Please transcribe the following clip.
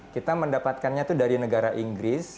kita mendapatkannya itu dari negara inggris